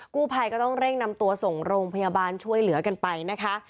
กู้ภัยก็ต้องเร่งนำตัวส่งโรงพยาบาลช่วยเหลือกันไปนะคะ